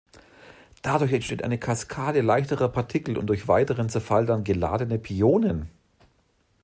Dadurch entsteht eine Kaskade leichterer Partikel und durch weiteren Zerfall dann geladene Pionen.